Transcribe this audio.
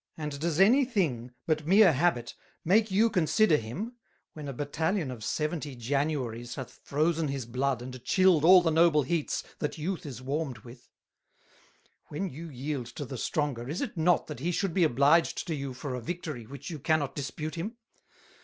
And does any thing, but meer Habit, make you consider him, when a Battalion of Seventy Januarys hath frozen his Blood and chilled all the noble Heats that youth is warmed with? When you yield to the Stronger, is it not that he should be obliged to you for a Victory which you cannot Dispute him?